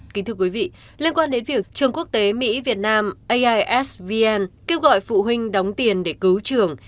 kính thưa quý vị liên quan đến việc trường quốc tế mỹ việt nam aisvn kêu gọi phụ huynh đóng tiền để cứu trường